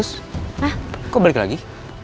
sus kok balik lagi